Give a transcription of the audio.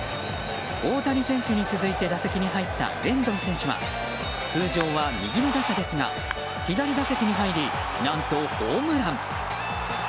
大谷選手に続いて打席に入ったレンドン選手は通常は右の打者ですが左打席に入り何とホームラン！